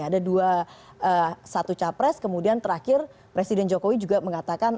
ada dua satu capres kemudian terakhir presiden jokowi juga mengatakan